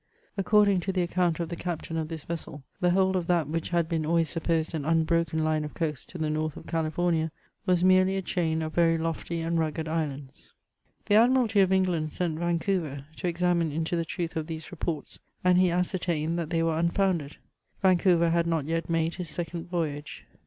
According to the account of the captain of this vessel, the whole of that which had been always supposed an un broken line of coast to the north of Califomia, was merely a chain of very lofty and rugged islands. The Admiralty of England sent Vancouver to examine into the truth of these reports, and he ascertained that they were un founded. Vancouver had not yet made his second voyage.